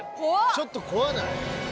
ちょっと怖ない？